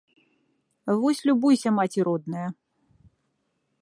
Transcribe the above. Вось любуйся, маці родная!